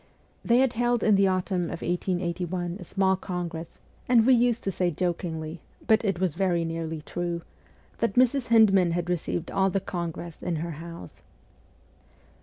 They had held in the autumn of 1881 a small congress, and we used to say jokingly but it was very nearly true that Mrs. Hyndman had received all the congress in her house.